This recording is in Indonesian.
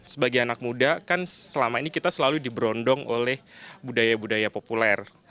sebagai anak muda kan selama ini kita selalu diberondong oleh budaya budaya populer